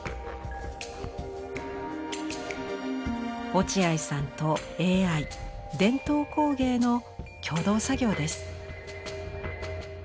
落合さんとＡＩ伝統工芸の共同作業です。